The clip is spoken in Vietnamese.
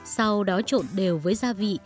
sau đó trộn đều với gia vị